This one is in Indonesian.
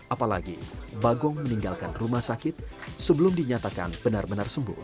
apalagi bagong meninggalkan rumah sakit sebelum dinyatakan benar benar sembuh